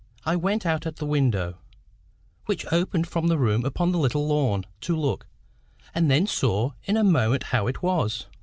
I went out at the window, which opened from the room upon the little lawn, to look, and then saw in a moment how it was.